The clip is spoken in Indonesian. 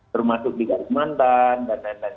termasuk di kalimantan dan lain lain